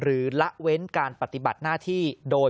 หรือละเว้นการปฏิบัติหน้าที่โดยมิชอบ